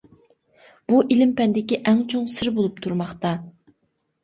بۇ ئىلىم-پەندىكى ئەڭ چوڭ سىر بولۇپ تۇرماقتا.